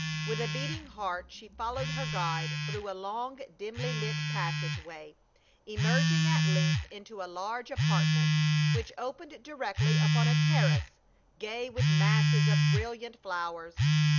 With a beating heart she fol lowed her guide through a long dimly lighted passage way, emerging at length into a large apartment, which opened directly upon a terrace, gay with masses of brilliant flowers.